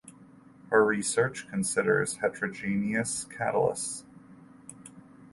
Her research considers heterogenous catalysis.